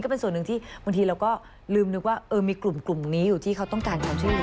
ค่ะนี่เป็นส่วนหนึ่งที่บางทีเราก็ลืมว่ามีกลุ่มนี้ที่อาจคือการทำได้